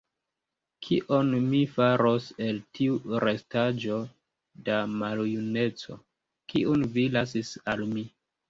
Kion mi faros el tiu restaĵo da maljuneco, kiun vi lasis al mi?